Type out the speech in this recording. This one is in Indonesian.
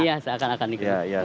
iya seakan akan dikroyok